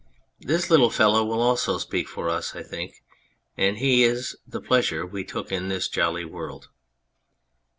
This little fellow will also speak for us, I think, and he is the Pleasure we took in this jolly world.